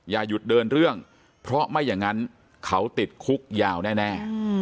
อย่าหยุดเดินเรื่องเพราะไม่อย่างนั้นเขาติดคุกยาวแน่